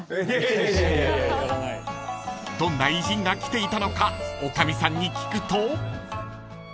［どんな偉人が来ていたのか女将さんに聞くと］